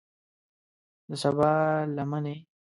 د سبا لمنې